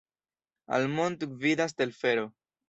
Al monto gvidas telfero.